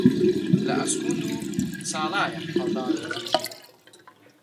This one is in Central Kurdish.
لە ئەسکوند و چاڵایە هەڵدان و گێژی